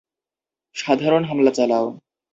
সাধারণ হামলা চালাও।